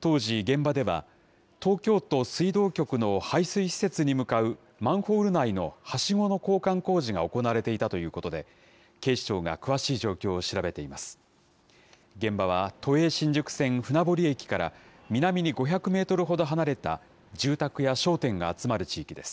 当時、現場では、東京都水道局の配水施設に向かうマンホール内のはしごの交換工事が行われていたということで、警視庁が詳しい状況を調べています。